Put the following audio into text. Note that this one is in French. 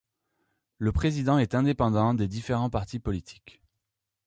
Le président est indépendant des différent partis politiques.